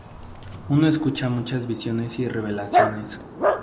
Uno escucha muchas visiones y revelaciones.